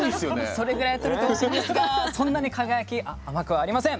それぐらいとれてほしいんですがそんなに「輝」甘くはありません。